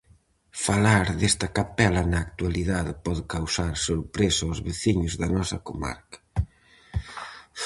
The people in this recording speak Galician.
Falar desta capela na actualidade pode causar sorpresa ós veciños da nosa comarca.